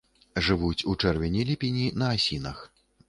Жывуць у чэрвені-ліпені на асінах.